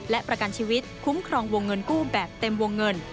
และประกันชีวิตคุ้มครองวงเงินกู้แบบเต็มวงเงิน